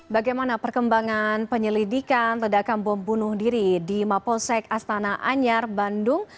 bagaimana perkembangan penyelidikan ledakan bom bunuh diri di mapolsek astana anyar bandung